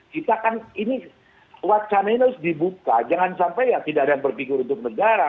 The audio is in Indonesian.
kita kan ini wacana ini harus dibuka jangan sampai ya tidak ada yang berpikir untuk negara